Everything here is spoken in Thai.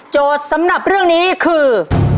โจทย์สำหรับเรื่องนี้คือ